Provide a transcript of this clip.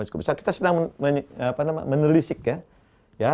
kita sedang menelisik ya